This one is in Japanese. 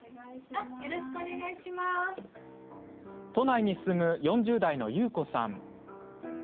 都内に住む４０代のゆうこさん。